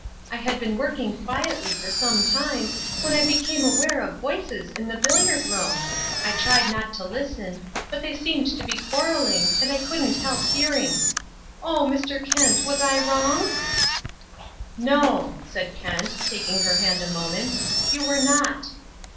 I had been working quietly for some time when I became aware of voices in the billiard room. I tried not to listen, but they seemed to be quarrelling, and I couldn't help hearing. Oh, Mr. Kent, was I wrong?" "No," said Kent, taking her hand a moment, "you were not."